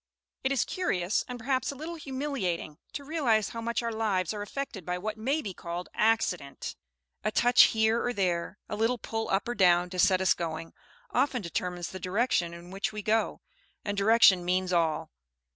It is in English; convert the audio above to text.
It is curious, and perhaps a little humiliating, to realize how much our lives are affected by what may be called accident. A touch here or there, a little pull up or down to set us going, often determines the direction in which we go, and direction means all.